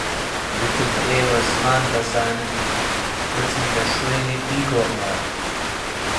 گوتم ئێوە زمان دەزانن، بچن لە شوێنێک بیگۆڕنەوە